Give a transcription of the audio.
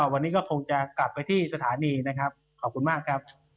วันนี้ก็คงจะกลับไปที่สถานีนะครับขอบคุณมากครับ